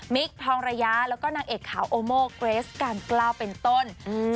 ทองระยะแล้วก็นางเอกขาวโอโมเกรสการเกล้าเป็นต้น